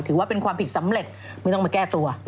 ถือว่าเป็นความผิดสำเร็จไม่ต้องมาแก้ตัว